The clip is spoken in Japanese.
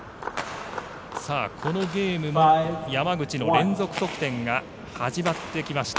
このゲームも山口の連続得点が始まってきました。